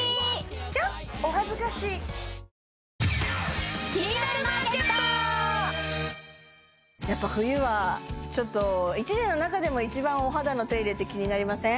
キャお恥ずかしいやっぱ冬は１年の中でも一番お肌の手入れって気になりません？